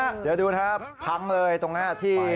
เดี๋ยวดูนะครับพังเลยตรงนี้ที่